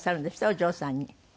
お嬢さんに。